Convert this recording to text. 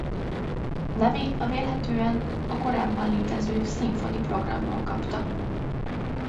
Nevét a vélhetően a korábban létező Symphony programról kapta.